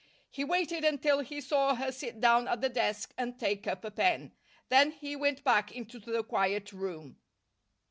He waited until he saw her sit down at the desk and take up a pen. Then he went back into the quiet room.